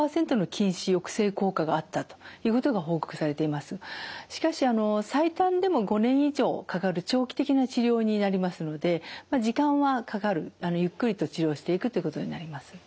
代表的なものがしかし最短でも５年以上かかる長期的な治療になりますので時間はかかるゆっくりと治療していくということになります。